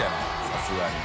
さすがに。